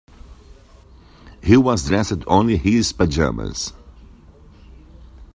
He was dressed only in his pajamas.